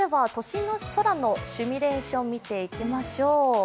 では都心の空のシミュレーション見ていきましょう。